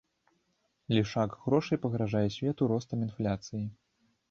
Лішак грошай пагражае свету ростам інфляцыі.